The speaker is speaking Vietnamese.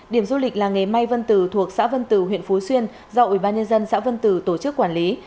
điểm du lịch làng nghề may vân tử thuộc xã vân tử huyện phú xuyên do ubnd xã vân tử tổ chức quản lý